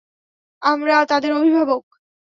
আমরা তাদের অভিভাবক।